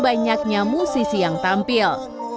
banyaknya musisi yang tampil